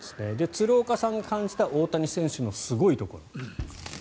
鶴岡さんが感じた大谷選手のすごいところ。